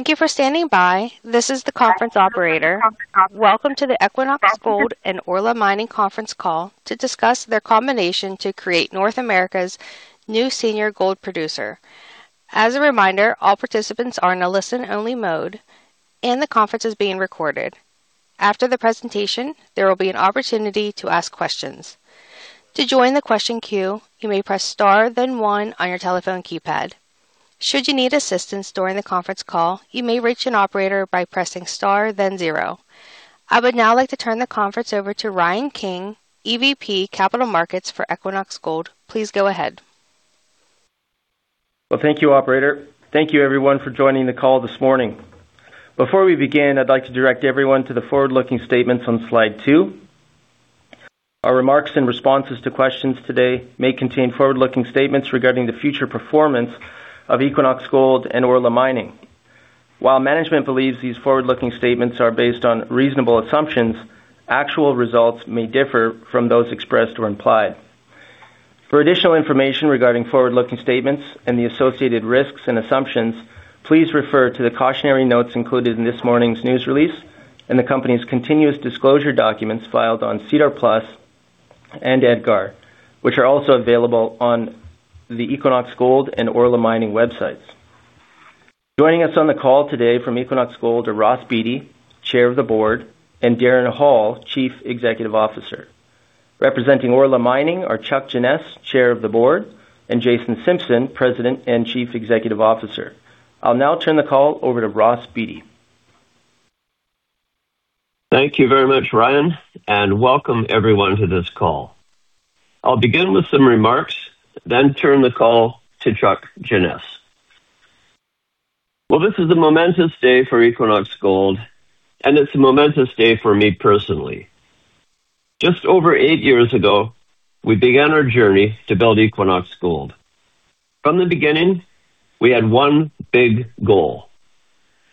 Thank you for standing by. This is the conference operator. Welcome to the Equinox Gold and Orla Mining Conference Call to discuss their combination to create North America's new senior gold producer. As a reminder, all participants are in a listen-only mode, and the conference is being recorded. After the presentation, there will be an opportunity to ask questions. To join the question queue you may press star then one on your telephone keypad should you need assistance during the conference call, you may reach an operator by pressing star then zero. I would now like to turn the conference over to Ryan King, EVP, Capital Markets for Equinox Gold. Please go ahead. Well, thank you, operator. Thank you everyone for joining the call this morning. Before we begin, I'd like to direct everyone to the forward-looking statements on Slide two. Our remarks and responses to questions today may contain forward-looking statements regarding the future performance of Equinox Gold and Orla Mining. While management believes these forward-looking statements are based on reasonable assumptions, actual results may differ from those expressed or implied. For additional information regarding forward-looking statements and the associated risks and assumptions, please refer to the cautionary notes included in this morning's news release and the company's continuous disclosure documents filed on SEDAR+ and EDGAR, which are also available on the Equinox Gold and Orla Mining websites. Joining us on the call today from Equinox Gold are Ross Beaty, Chair of the Board, and Darren Hall, Chief Executive Officer. Representing Orla Mining are Chuck Jeannes, Chair of the Board, and Jason Simpson, President and Chief Executive Officer. I'll now turn the call over to Ross Beaty. Thank you very much, Ryan, and welcome everyone to this call. I'll begin with some remarks, then turn the call to Chuck Jeannes. Well, this is a momentous day for Equinox Gold, and it's a momentous day for me personally. Just over eight years ago, we began our journey to build Equinox Gold. From the beginning, we had one big goal,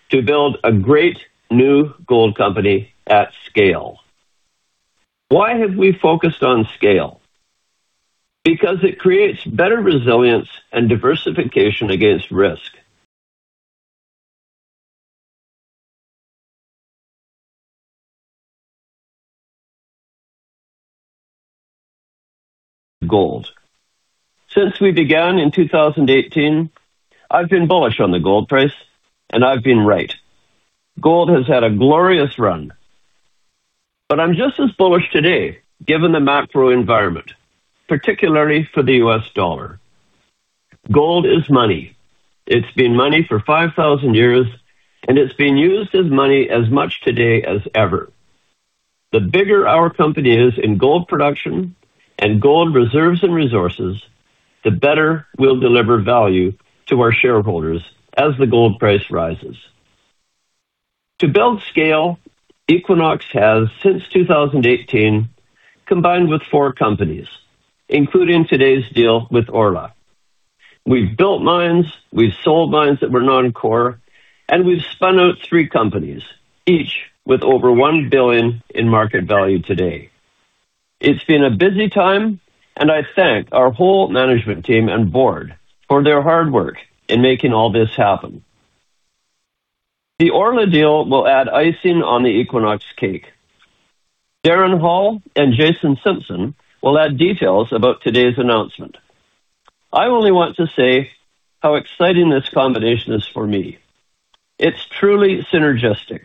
to build a great new gold company at scale. Why have we focused on scale? Because it creates better resilience and diversification against risk. Gold. Since we began in 2018, I've been bullish on the gold price, and I've been right. Gold has had a glorious run. I'm just as bullish today, given the macro environment, particularly for the U.S. dollar. Gold is money. It's been money for 5,000 years, and it's been used as money as much today as ever. The bigger our company is in gold production and gold reserves and resources, the better we'll deliver value to our shareholders as the gold price rises. To build scale, Equinox has, since 2018, combined with four companies, including today's deal with Orla. We've built mines, we've sold mines that were non-core, and we've spun out three companies, each with over $1 billion in market value today. It's been a busy time, and I thank our whole management team and board for their hard work in making all this happen. The Orla deal will add icing on the Equinox cake. Darren Hall and Jason Simpson will add details about today's announcement. I only want to say how exciting this combination is for me. It's truly synergistic.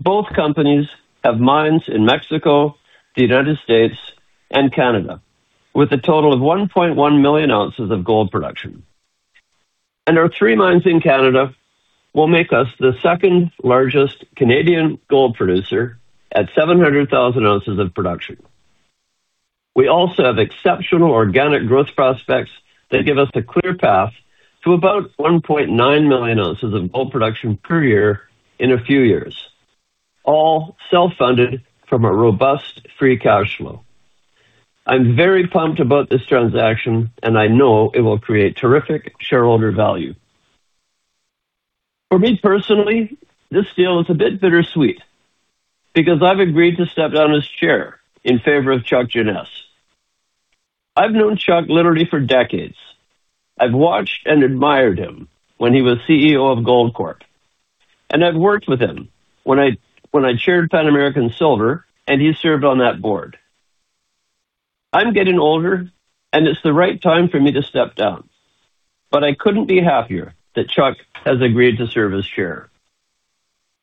Both companies have mines in Mexico, the United States, and Canada, with a total of 1.1 million ounces of gold production. Our three mines in Canada will make us the second largest Canadian gold producer at 700,000 ounces of production. We also have exceptional organic growth prospects that give us a clear path to about 1.9 million ounces of gold production per year in a few years, all self-funded from a robust Free Cash Flow. I'm very pumped about this transaction, and I know it will create terrific shareholder value. For me personally, this deal is a bit bittersweet because I've agreed to step down as Chair in favor of Chuck Jeannes. I've known Chuck literally for decades. I've watched and admired him when he was CEO of Goldcorp, and I've worked with him when I chaired Pan American Silver, and he served on that board. I'm getting older, and it's the right time for me to step down. I couldn't be happier that Chuck Jeannes has agreed to serve as Chair.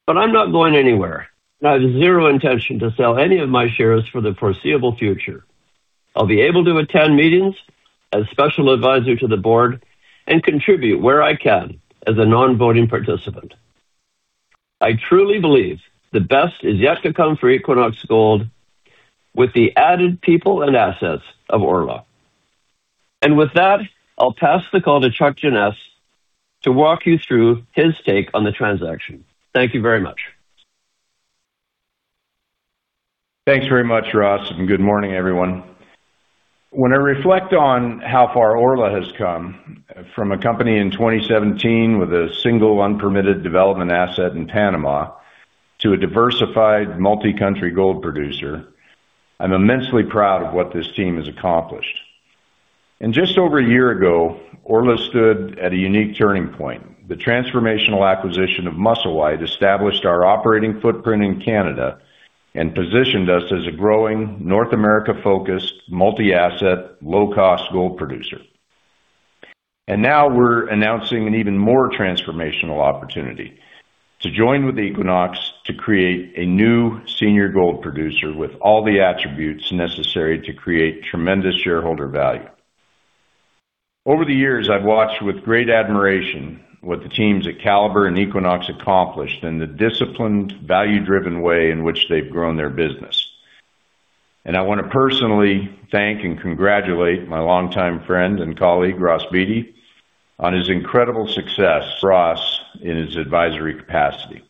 I'm not going anywhere. I have zero intention to sell any of my shares for the foreseeable future. I'll be able to attend meetings as special advisor to the board and contribute where I can as a non-voting participant. I truly believe the best is yet to come for Equinox Gold with the added people and assets of Orla. With that, I'll pass the call to Chuck Jeannes to walk you through his take on the transaction. Thank you very much. Thanks very much, Ross, and good morning, everyone. When I reflect on how far Orla has come from a company in 2017 with a single unpermitted development asset in Panama to a diversified multi-country gold producer, I'm immensely proud of what this team has accomplished. Just over a year ago, Orla stood at a unique turning point. The transformational acquisition of Musselwhite established our operating footprint in Canada and positioned us as a growing North America-focused multi-asset, low-cost gold producer. Now we're announcing an even more transformational opportunity to join with Equinox to create a new senior gold producer with all the attributes necessary to create tremendous shareholder value. Over the years, I've watched with great admiration what the teams at Calibre and Equinox accomplished and the disciplined, value-driven way in which they've grown their business. I wanna personally thank and congratulate my longtime friend and colleague, Ross Beaty, on his incredible success, Ross, in his advisory capacity.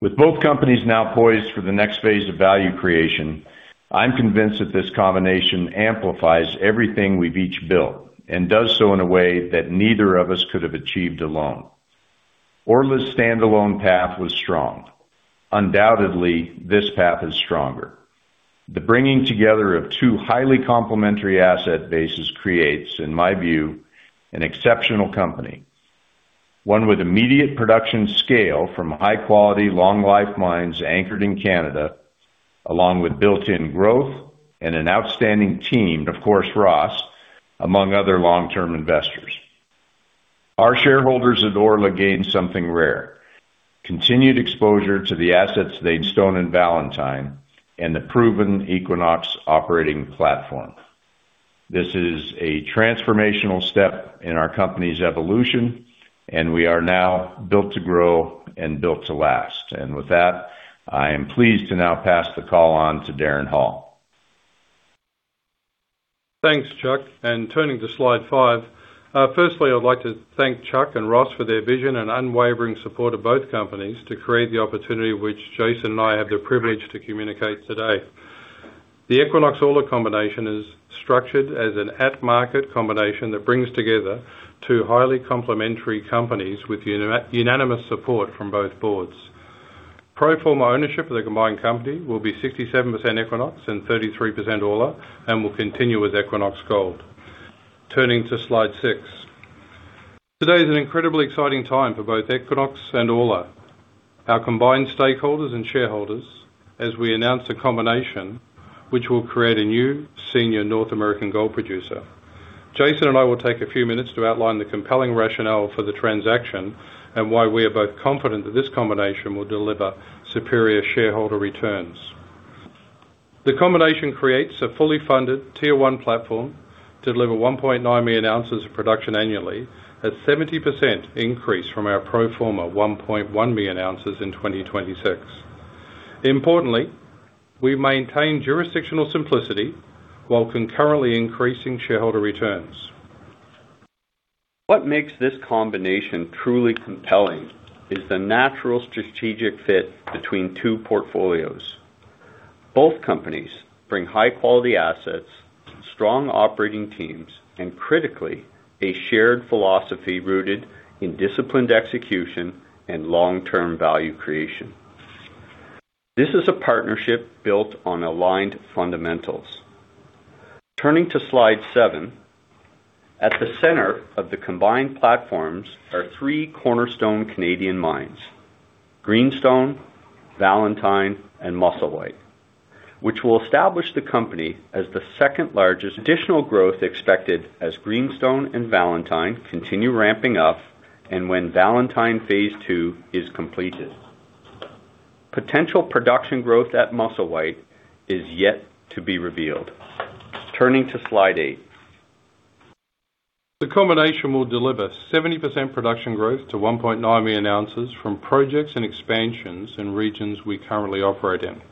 With both companies now poised for the next phase of value creation, I'm convinced that this combination amplifies everything we've each built and does so in a way that neither of us could have achieved alone. Orla's standalone path was strong. Undoubtedly, this path is stronger. The bringing together of two highly complementary asset bases creates, in my view, an exceptional company. One with immediate production scale from high quality, long life mines anchored in Canada, along with built-in growth and an outstanding team, and of course, Ross, among other long-term investors. Our shareholders at Orla gained something rare, continued exposure to the assets Greenstone and Valentine and the proven Equinox operating platform. This is a transformational step in our company's evolution. We are now built to grow and built to last. With that, I am pleased to now pass the call on to Darren Hall. Thanks, Chuck. Turning to Slide five. Firstly, I'd like to thank Chuck and Ross for their vision and unwavering support of both companies to create the opportunity which Jason and I have the privilege to communicate today. The Equinox-Orla combination is structured as an at-market combination that brings together two highly complementary companies with unanimous support from both boards. Pro forma ownership of the combined company will be 67% Equinox and 33% Orla, and will continue with Equinox Gold. Turning to Slide six. Today is an incredibly exciting time for both Equinox and Orla, our combined stakeholders and shareholders, as we announce a combination which will create a new senior North American gold producer. Jason and I will take a few minutes to outline the compelling rationale for the transaction and why we are both confident that this combination will deliver superior shareholder returns. The combination creates a fully funded tier 1 platform to deliver 1.9 million ounces of production annually at 70% increase from our pro forma 1.1 million ounces in 2026. Importantly, we maintain jurisdictional simplicity while concurrently increasing shareholder returns. What makes this combination truly compelling is the natural strategic fit between two portfolios. Both companies bring high quality assets, strong operating teams, and critically, a shared philosophy rooted in disciplined execution and long-term value creation. This is a partnership built on aligned fundamentals. Turning to Slide seven. At the center of the combined platforms are three cornerstone Canadian mines, Greenstone, Valentine, and Musselwhite, which will establish the company as the 2nd largest. Additional growth expected as Greenstone and Valentine continue ramping up when Valentine phase II is completed. Potential production growth at Musselwhite is yet to be revealed. Turning to Slide eight. The combination will deliver 70% production growth to 1.9 million ounces from projects and expansions in regions we currently operate in.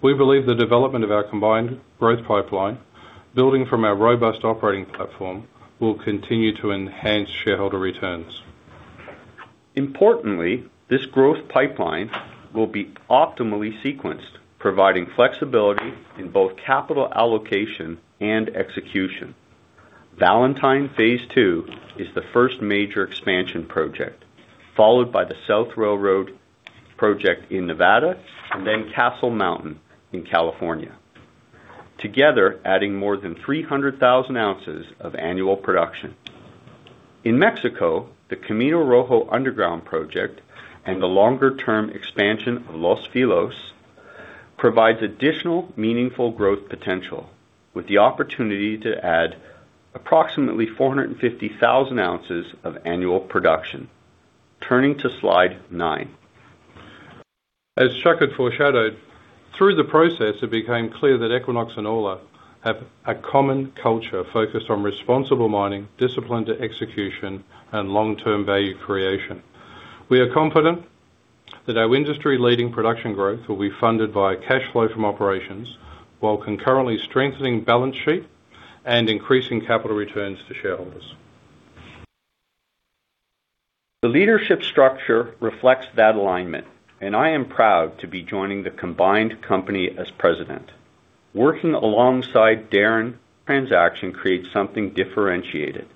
We believe the development of our combined growth pipeline, building from our robust operating platform, will continue to enhance shareholder returns. Importantly, this growth pipeline will be optimally sequenced, providing flexibility in both capital allocation and execution. Valentine phase II is the first major expansion project, followed by the South Railroad project in Nevada and then Castle Mountain in California. Together, adding more than 300,000 ounces of annual production. In Mexico, the Camino Rojo underground project and the longer-term expansion of Los Filos provides additional meaningful growth potential with the opportunity to add approximately 450,000 ounces of annual production. Turning to Slide nine. As Chuck had foreshadowed, through the process, it became clear that Equinox and Orla have a common culture focused on responsible mining, disciplined execution, and long-term value creation. We are confident that our industry-leading production growth will be funded by cash flow from operations while concurrently strengthening balance sheet and increasing capital returns to shareholders. The leadership structure reflects that alignment, and I am proud to be joining the combined company as president. Working alongside Darren, transaction creates something differentiated.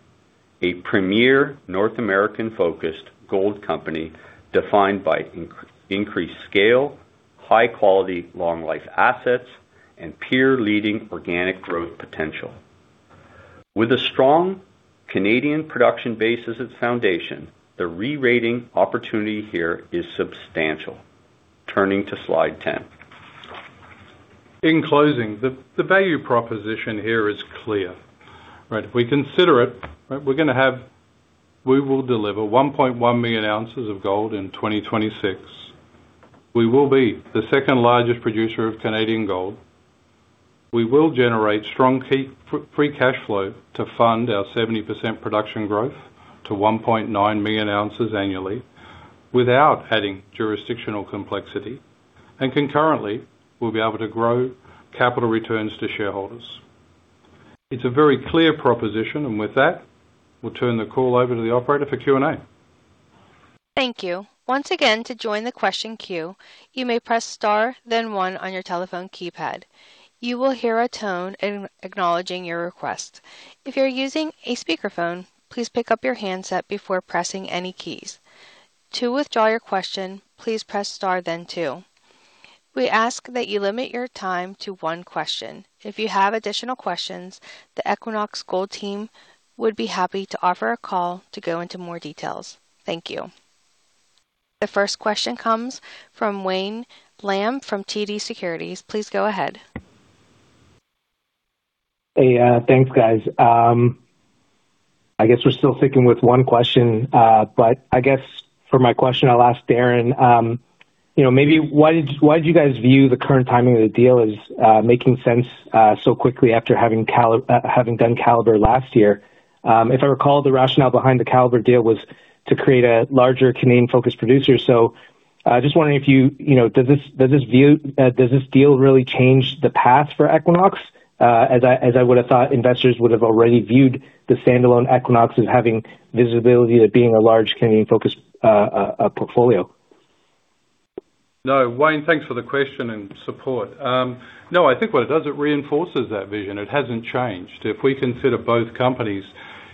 A premier North American focused gold company defined by increased scale, high quality long life assets and peer-leading organic growth potential. With a strong Canadian production base as its foundation, the re-rating opportunity here is substantial. Turning to Slide 10. In closing, the value proposition here is clear, right? If we consider it, right, we will deliver 1.1 million ounces of gold in 2026. We will be the second largest producer of Canadian gold. We will generate strong key free cash flow to fund our 70% production growth to 1.9 million ounces annually without adding jurisdictional complexity. Concurrently, we'll be able to grow capital returns to shareholders. It's a very clear proposition, with that, we'll turn the call over to the operator for Q&A. Thank you, once again to join the question queue you may press star then one on your telephone keypad you you will hear a tone acknowledging your request. We ask that you limit your time to one question. If you have additional questions, the Equinox Gold team would be happy to offer a call to go into more details. Thank you. The first question comes from Wayne Lam from TD Securities. Please go ahead. Hey, thanks, guys. I guess we're still sticking with one question. I guess for my question, I'll ask Darren, you know, maybe why did you guys view the current timing of the deal as making sense so quickly after having done Calibre last year? If I recall, the rationale behind the Calibre deal was to create a larger Canadian-focused producer. I just wondering if you know, does this deal really change the path for Equinox? As I would have thought investors would have already viewed the standalone Equinox as having visibility to being a large Canadian-focused portfolio. No, Wayne, thanks for the question and support. I think what it does, it reinforces that vision. It hasn't changed. If we consider both companies,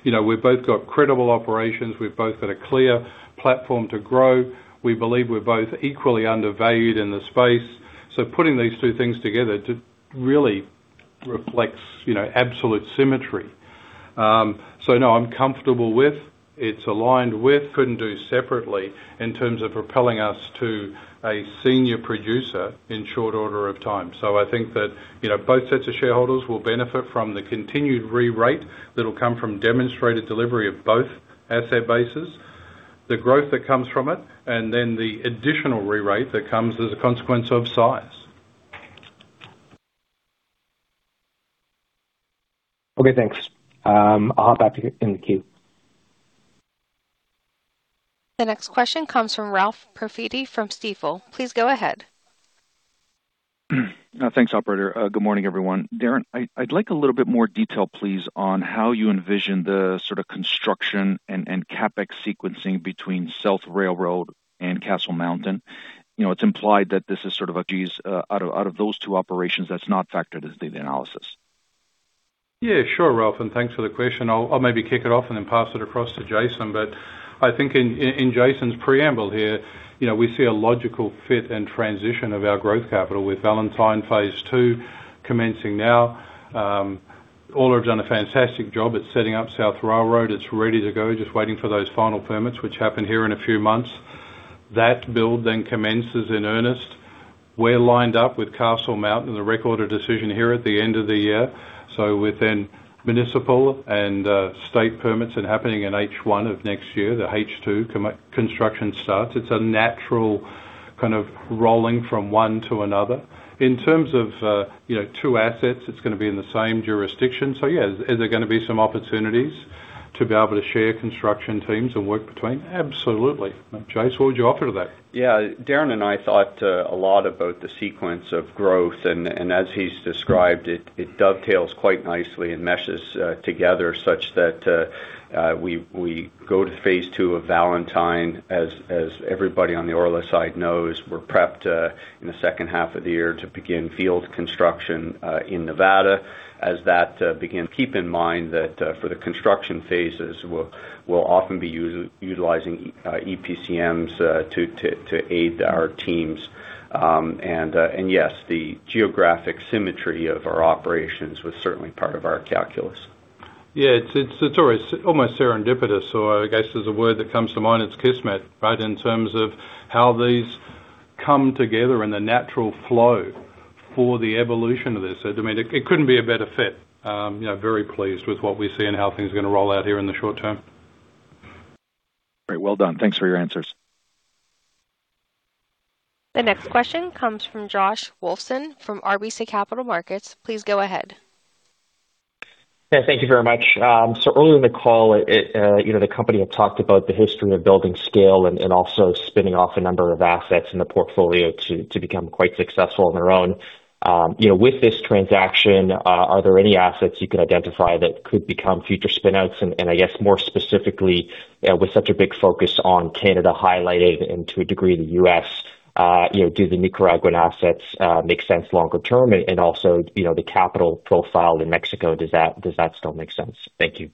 you know, we've both got credible operations. We've both got a clear platform to grow. We believe we're both equally undervalued in the space. Putting these two things together to really reflects, you know, absolute symmetry. I'm comfortable with, it's aligned with, couldn't do separately in terms of propelling us to a senior producer in short order of time. I think that, you know, both sets of shareholders will benefit from the continued re-rate that'll come from demonstrated delivery of both asset bases, the growth that comes from it, and then the additional re-rate that comes as a consequence of size. Okay, thanks. I'll hop back in the queue. The next question comes from Ralph Profiti from Stifel. Please go ahead. Thanks, operator. Good morning, everyone. Darren, I'd like a little bit more detail, please, on how you envision the sort of construction and CapEx sequencing between South Railroad and Castle Mountain. You know, it's implied that this is sort of a geez, out of those two operations that's not factored into the analysis. Yeah, sure, Ralph. Thanks for the question. I'll maybe kick it off and then pass it across to Jason. I think in Jason's preamble here, you know, we see a logical fit and transition of our growth capital with Valentine phase II commencing now. Orla have done a fantastic job at setting up South Railroad. It's ready to go, just waiting for those final permits, which happen here in a few months. That build commences in earnest. We're lined up with Castle Mountain, the Record of Decision here at the end of the year. Within municipal and state permits and happening in H1 of next year, the H2 construction starts. It's a natural kind of rolling from one to another. In terms of, you know, two assets, it's gonna be in the same jurisdiction. Yeah, is there gonna be some opportunities to be able to share construction teams and work between? Absolutely. Jase, what would you offer to that? Darren and I thought a lot about the sequence of growth, and as he's described it dovetails quite nicely and meshes together such that we go to phase II of Valentine. As everybody on the Orla side knows, we're prepped in the second half of the year to begin field construction in Nevada. As that begins, keep in mind that for the construction phases, we'll often be utilizing EPCM to aid our teams. And yes, the geographic symmetry of our operations was certainly part of our calculus. It's always almost serendipitous, or I guess there's a word that comes to mind, it's kismet, right? In terms of how these come together and the natural flow for the evolution of this. I mean, it couldn't be a better fit. You know, very pleased with what we see and how things are gonna roll out here in the short term. Great. Well done. Thanks for your answers. The next question comes from Josh Wolfson from RBC Capital Markets. Please go ahead. Yeah, thank you very much. Early in the call, you know, the company had talked about the history of building scale and also spinning off a number of assets in the portfolio to become quite successful on their own. You know, with this transaction, are there any assets you could identify that could become future spin-outs? And I guess more specifically, with such a big focus on Canada highlighted and to a degree the U.S., you know, do the Nicaraguan assets make sense longer term? Also, you know, the capital profile in Mexico, does that still make sense? Thank you.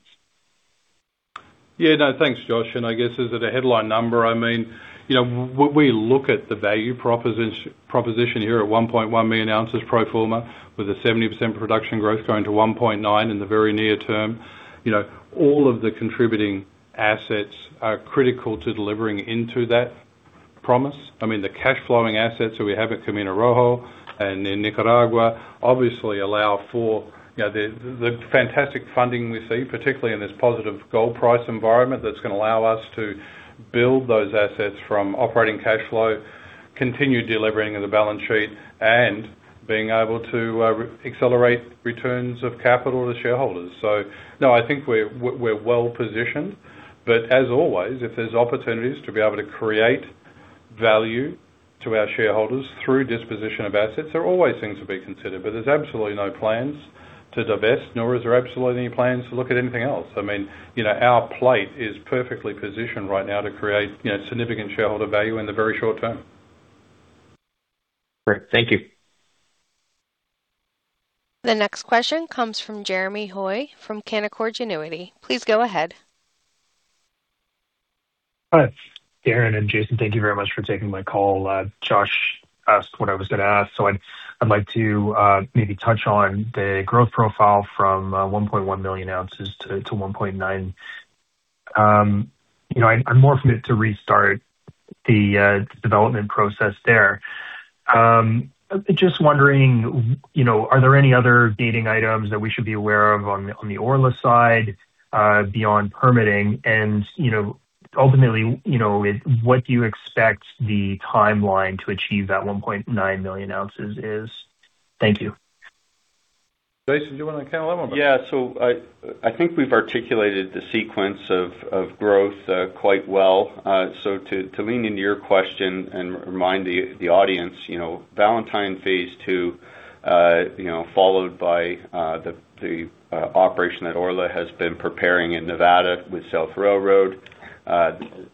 Yeah, no, thanks, Josh. I guess is it a headline number? I mean, you know, when we look at the value proposition here at 1.1 million ounces pro forma with a 70% production growth going to 1.9 in the very near term, you know, all of the contributing assets are critical to delivering into that promise. I mean, the cash flowing assets that we have at Camino Rojo and in Nicaragua obviously allow for, you know, the fantastic funding we see, particularly in this positive gold price environment that's gonna allow us to build those assets from operating cash flow, continue delivering in the balance sheet and being able to accelerate returns of capital to shareholders. No, I think we're well positioned. As always, if there's opportunities to be able to create value to our shareholders through disposition of assets, there are always things to be considered. There's absolutely no plans to divest, nor is there absolutely any plans to look at anything else. I mean, you know, our plate is perfectly positioned right now to create, you know, significant shareholder value in the very short term. Great. Thank you. The next question comes from Jeremy Hoy from Canaccord Genuity. Please go ahead. Hi, Darren Hall and Jason Simpson. Thank you very much for taking my call. Josh Wolfson asked what I was gonna ask. I'd like to maybe touch on the growth profile from 1.1 million ounces to 1.9 million ounces. You know, I'm more familiar to restart the development process there. Just wondering, you know, are there any other gating items that we should be aware of on the Orla side beyond permitting? You know, ultimately, you know, what do you expect the timeline to achieve that 1.9 million ounces is? Thank you. Jason, do you wanna comment a little bit? Yeah. I think we've articulated the sequence of growth quite well. To lean into your question and remind the audience, you know, Valentine Phase Two, you know, followed by the operation that Orla has been preparing in Nevada with South Railroad.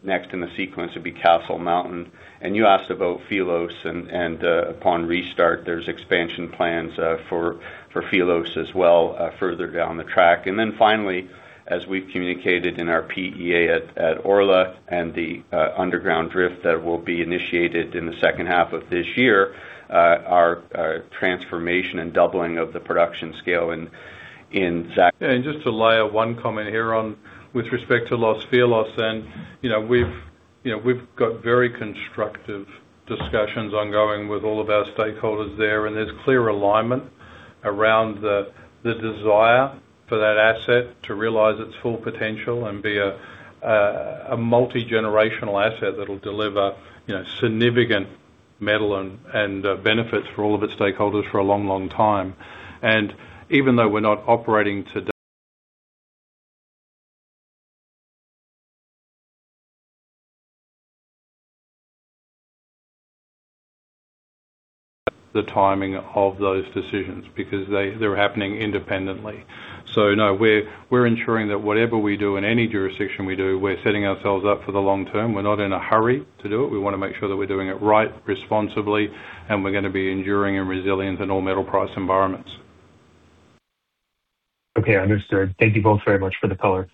Next in the sequence would be Castle Mountain. You asked about Filos and, upon restart, there's expansion plans for Filos as well further down the track. Then finally, as we communicated in our PEA at Orla and the underground drift that will be initiated in the second half of this year, our transformation and doubling of the production scale. Just to layer one comment here on with respect to Los Filos. You know, we've, you know, we've got very constructive discussions ongoing with all of our stakeholders there, and there's clear alignment around the desire for that asset to realize its full potential and be a multi-generational asset that'll deliver, you know, significant metal and benefits for all of its stakeholders for a long, long time. Even though we're not operating today, the timing of those decisions because they're happening independently. No, we're ensuring that whatever we do in any jurisdiction we do, we're setting ourselves up for the long term. We're not in a hurry to do it. We wanna make sure that we're doing it right, responsibly, and we're gonna be enduring and resilient in all metal price environments. Okay, understood. Thank you both very much for the color.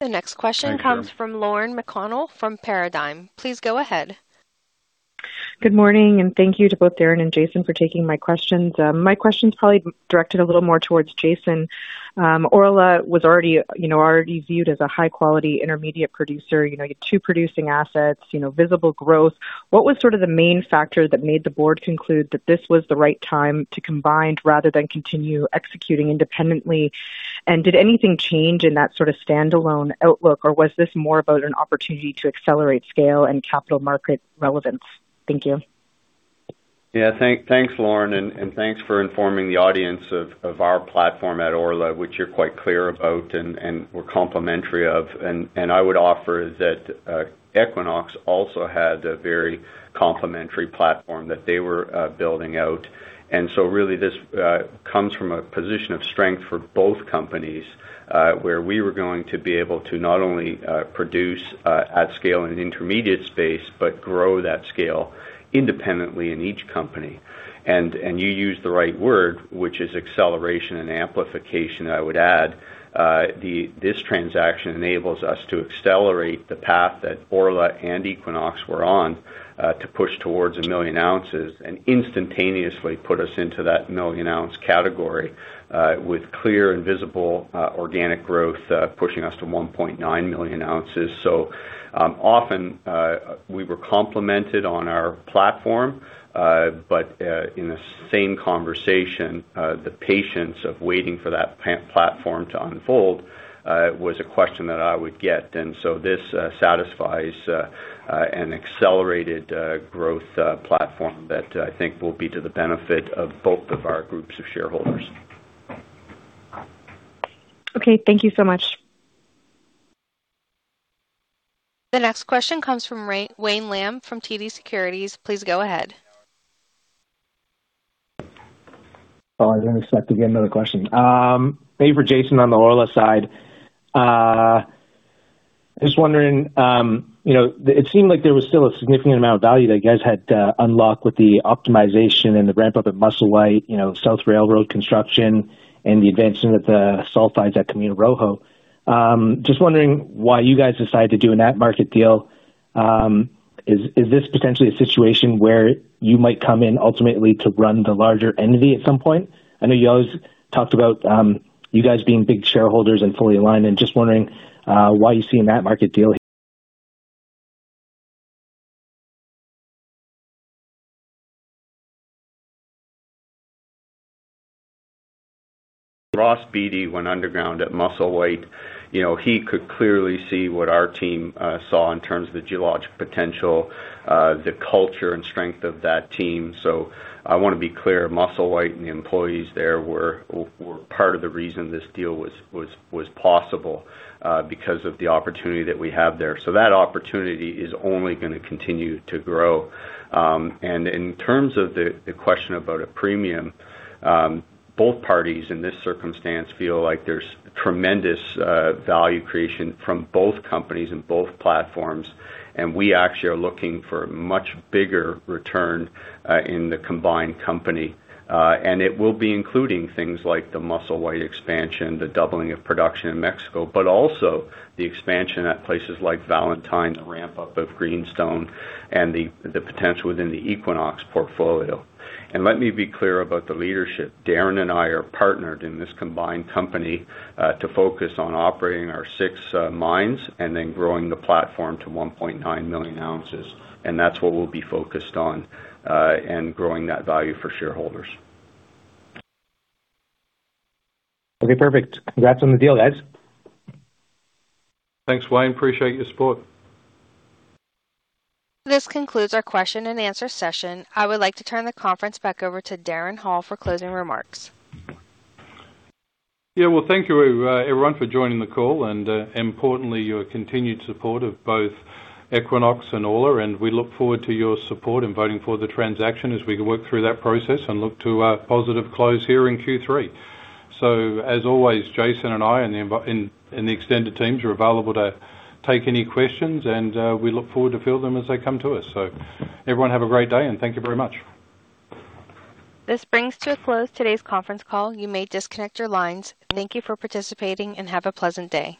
The next question comes from Lauren McConnell from Paradigm. Please go ahead. Good morning, and thank you to both Darren and Jason for taking my questions. My question's probably directed a little more towards Jason. Orla was already, you know, already viewed as a high-quality intermediate producer. You know, you have two producing assets, you know, visible growth. What was sort of the main factor that made the board conclude that this was the right time to combine rather than continue executing independently? Did anything change in that sort of standalone outlook, or was this more about an opportunity to accelerate scale and capital market relevance? Thank you. Yeah. Thanks, Lauren, and thanks for informing the audience of our platform at Orla Mining, which you're quite clear about and we're complementary of. I would offer that Equinox Gold also had a very complementary platform that they were building out. Really this comes from a position of strength for both companies, where we were going to be able to not only produce at scale in an intermediate space, but grow that scale independently in each company. You used the right word, which is acceleration and amplification, I would add. This transaction enables us to accelerate the path that Orla and Equinox were on, to push towards 1 million ounces and instantaneously put us into that 1 million-ounce category, with clear and visible organic growth, pushing us to 1.9 million ounces. Often, we were complimented on our platform, but in the same conversation, the patience of waiting for that platform to unfold was a question that I would get. This satisfies an accelerated growth platform that I think will be to the benefit of both of our groups of shareholders. Okay, thank you so much. The next question comes from Wayne Lam from TD Securities. Please go ahead. I didn't expect to get another question. Maybe for Jason on the Orla side. I was wondering, you know, it seemed like there was still a significant amount of value that you guys had unlocked with the optimization and the ramp up at Musselwhite, you know, South Railroad construction, and the advancement of the sulfides at Camino Rojo. Just wondering why you guys decided to do an at-market deal. Is this potentially a situation where you might come in ultimately to run the larger entity at some point? I know you always talked about, you guys being big shareholders and fully aligned and just wondering why you see an at-market deal here. Ross Beaty went underground at Musselwhite. You know, he could clearly see what our team saw in terms of the geologic potential, the culture and strength of that team. I wanna be clear, Musselwhite and the employees there were part of the reason this deal was possible because of the opportunity that we have there. That opportunity is only gonna continue to grow. In terms of the question about a premium, both parties in this circumstance feel like there's tremendous value creation from both companies and both platforms, we actually are looking for a much bigger return in the combined company. It will be including things like the Musselwhite expansion, the doubling of production in Mexico, but also the expansion at places like Valentine, the ramp up of Greenstone, and the potential within the Equinox portfolio. Darren and I are partnered in this combined company to focus on operating our six mines and growing the platform to 1.9 million ounces. That's what we'll be focused on and growing that value for shareholders. Okay, perfect. Congrats on the deal, guys. Thanks, Wayne. Appreciate your support. This concludes our question and answer session. I would like to turn the conference back over to Darren Hall for closing remarks. Well, thank you, everyone for joining the call, and importantly, your continued support of both Equinox and Orla, and we look forward to your support in voting for the transaction as we work through that process and look to a positive close here in Q3. As always, Jason and I and the extended teams are available to take any questions, and we look forward to field them as they come to us. Everyone have a great day, and thank you very much. This brings to a close today's conference call. You may disconnect your lines. Thank you for participating and have a pleasant day.